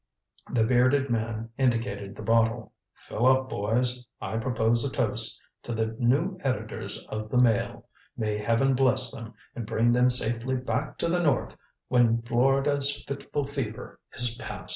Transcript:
The bearded man indicated the bottle. "Fill up, boys. I propose a toast. To the new editors of the Mail. May Heaven bless them and bring them safely back to the North when Florida's fitful fever is past."